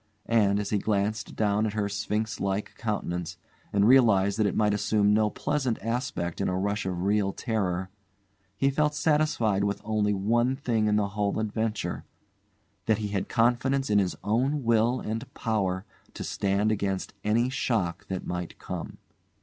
And, as he glanced down at her sphinx like countenance and realised that it might assume no pleasant aspect in a rush of real terror, he felt satisfied with only one thing in the whole adventure that he had confidence in his own will and power to stand against any shock that might come.